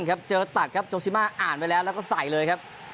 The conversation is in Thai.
เจอตัดครับโจซิมาอ่านไว้แล้วแล้วก็ใส่เลยครับ